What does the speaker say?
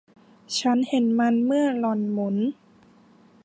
ฉันเห็นมันเมื่อหล่อนหมุน